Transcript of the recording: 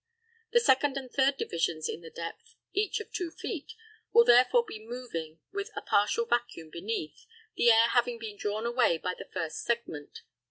The second and third divisions in the depth, each of two feet, will therefore be moving with a partial vacuum beneath, the air having been drawn away by the first segment.